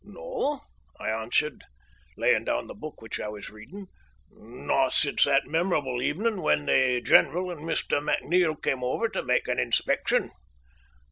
"No," I answered, laying down the book which I was reading. "Not since that memorable evening when the general and Mr. McNeil came over to make an inspection."